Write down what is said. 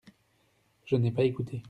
Je n’ai pas écouté.